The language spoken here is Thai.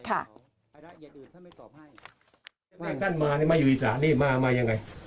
ท่านมานี่มาอยู่อีกษะนี่มายังไง